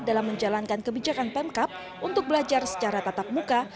dalam menjalankan kebijakan pemkap untuk belajar secara tatap muka